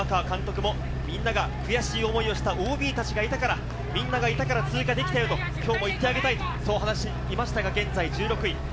山川監督もみんなが悔しい思いをしたＯＢたちがいたから、みんながいたから通過できたよと、きょうも言ってあげたいと話していましたが、現在１６位。